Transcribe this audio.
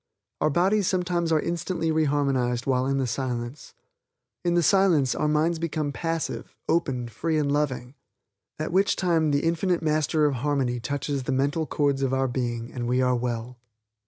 Our bodies sometimes are instantly re harmonized while in the Silence. In the Silence our minds become passive, open, free and loving, at which time the Infinite Master of harmony touches the mental chords of our being and we are well.